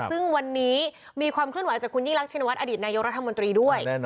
ซึ่งวันนี้มีความขึ้นหวัดจากคุณยิ่งรักษ์ชินวัตต์อดิตนายโยครัฐมนตรีด้วย